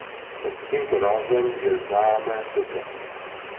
Pod tímto názvem je známe dodnes.